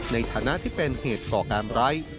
ในฐานะที่เป็นเหตุก่อการร้าย